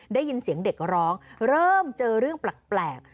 ได้ยินเสียงเด็กร้องเริ่มเจอเรื่องแปลก